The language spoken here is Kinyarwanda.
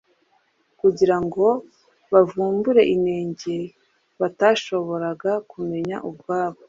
kugira ngo bavumbure inenge batashoboraga kumenya ubwabo.